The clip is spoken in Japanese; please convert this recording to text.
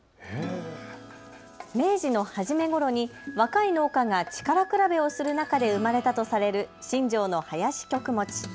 明治の初めごろに若い農家が力比べをする中で生まれたとされる新城の囃子曲持。